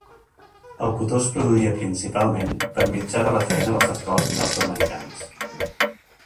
El cotó es produïa principalment per mitjà de la feina dels esclaus afroamericans.